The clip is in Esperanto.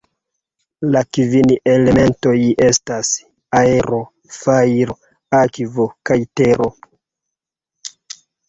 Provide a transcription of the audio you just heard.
La kvin elementoj estas: Aero, Fajro, Akvo kaj Tero.